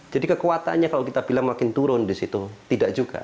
jadi kekuatannya kalau kita bilang makin turun di situ tidak juga